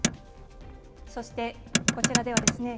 そしてこちらではですね